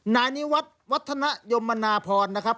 นายนี้วัดวัฒนยมนาพรนะครับ